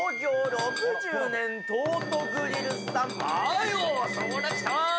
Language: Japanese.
６０年、東都グリルさん、はーよー、そーらきた。